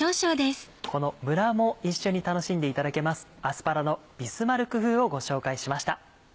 このムラも一緒に楽しんでいただけます「アスパラのビスマルク風」をご紹介しました。